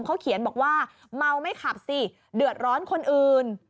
เขาเขียนบอกว่าเมาไม่ขับสิเดือดร้อนคนอื่น